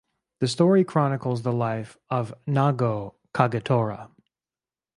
The story chronicles the life of Nagao Kagetora.